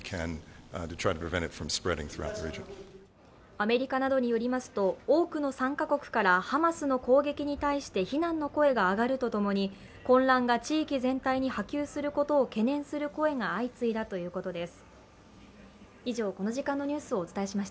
アメリカなどによりますと多くの参加国からハマスの攻撃に対して非難の声が上がるとともに、混乱が地域全体に波及することを懸念する声が相次いだということです。